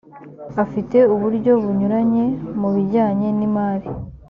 afite uburyo bunyuranye mu bijyanye n’ imari.